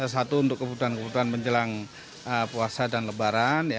satu untuk kebutuhan kebutuhan menjelang puasa dan lebaran